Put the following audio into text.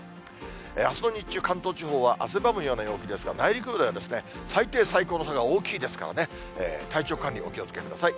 あすの日中、関東地方は汗ばむような陽気ですが、内陸部では最低最高の差が大きいですからね、体調管理にお気をつけください。